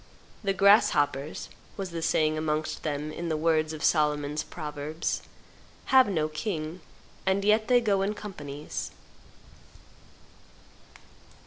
"The grasshoppers," was the saying amongst them in the words of Solomon's proverbs, "have no king, and yet they go in companies."